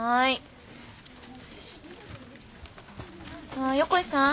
あっ横井さん。